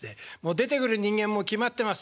出てくる人間も決まってます。